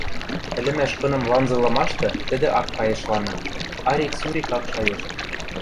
ӹлӹмӓш кыным ланзылымашты тӹдӹ ак кайышланы, арик-сурик ак шайышт